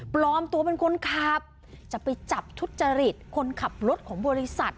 ปลอมตัวเป็นคนขับจะไปจับทุจริตคนขับรถของบริษัท